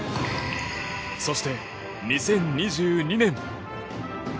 そして、２０２２年。